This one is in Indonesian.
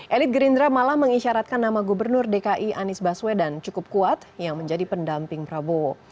elit gerindra malah mengisyaratkan nama gubernur dki anies baswedan cukup kuat yang menjadi pendamping prabowo